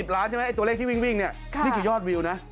ล้านใช่ไหมไอตัวเลขที่วิ่งเนี่ยนี่คือยอดวิวนะ